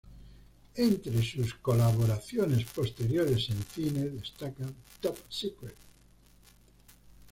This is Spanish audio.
Entre sus colaboraciones posteriores en cine destacan "Top Secret!